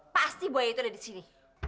pasti buaya itu ada di sini